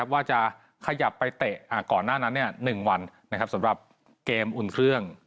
ว่าจะขยับไปเตะก่อนหน้านั้น๑วันสำหรับเกมอุ่นเครื่อง